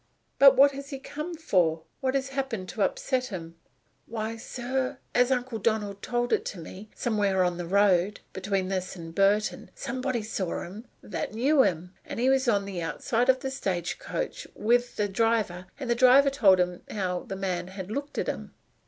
"But what has he come for? What has happened to upset him?" "Why, sir as Uncle Donald told it to me somewhere on the road, between this and Burton, somebody saw him that knew him. He was on the outside of the stage coach with the driver, and it was the driver that told him how the man had looked at him.